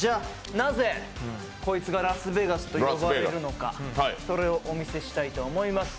なぜ、こいつがラスベガスと呼ばれるのかをお見せします。